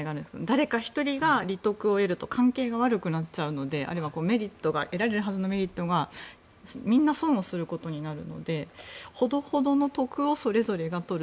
誰か１人が利得を得ると関係が悪くなっちゃうのであるいは得られるはずのメリットがみんな損をすることになるのでほどほどの得をそれぞれが取る。